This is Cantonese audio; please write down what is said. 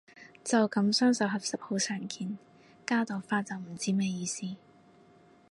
就噉雙手合十好常見，加朵花就唔知咩意思